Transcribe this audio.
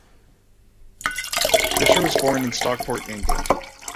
Fischer was born in Stockport, England.